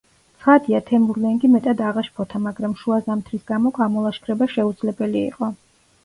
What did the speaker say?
ცხადია, თემურლენგი მეტად აღაშფოთა, მაგრამ შუა ზამთრის გამო გამოლაშქრება შეუძლებელი იყო.